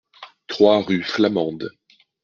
trois rue Flamande